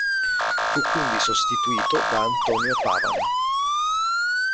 Fu quindi sostituito da Antonio Pavan.